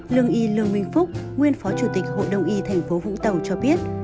lương y lương minh phúc nguyên phó chủ tịch hội đồng y tp vũng tàu cho biết